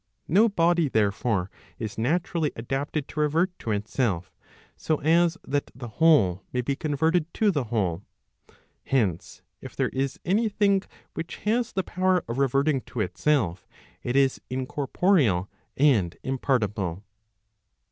No body therefore, is naturally adapted to revert to itself, so aa that the whole may be converted to the whole. Hence if there is any thing which has the power of reverting to itself it is incorporeal and impartible.